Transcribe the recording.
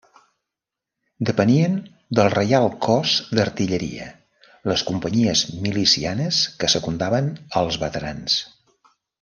Depenien del Reial Cos d'Artilleria, les companyies milicianes que secundaven als veterans.